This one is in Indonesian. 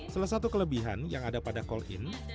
salah satu kelebihan yang ada pada call in